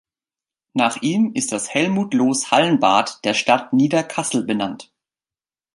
Nach ihm ist das Helmut-Loos-Hallenbad der Stadt Niederkassel benannt.